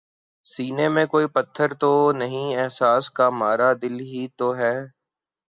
سینے میں کوئی پتھر تو نہیں احساس کا مارا، دل ہی تو ہے